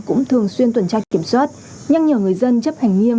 cũng thường xuyên tuần tra kiểm soát nhắc nhở người dân chấp hành nghiêm